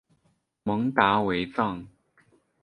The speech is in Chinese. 蒙达韦藏。